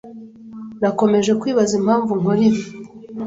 Nakomeje kwibaza impamvu nkora ibi.